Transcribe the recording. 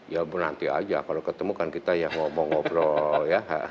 ya menanti aja kalau ketemu kan kita ya ngobrol ngobrol ya